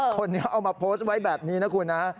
คนนี้เอามาโพสต์ไว้แบบนี้นะคุณนะ